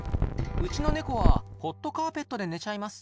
うちのネコはホットカーペットで寝ちゃいます。